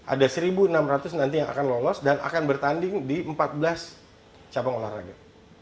ada satu enam ratus nanti yang akan lolos dan akan bertanding di empat belas cabang olahraga